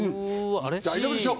大丈夫でしょ。